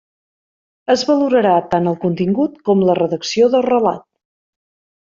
Es valorarà tant el contingut com la redacció del relat.